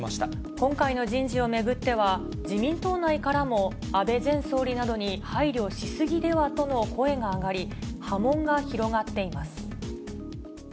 今回の人事を巡っては、自民党内からも安倍前総理などに配慮し過ぎではとの声が上がり、波紋が広がっています。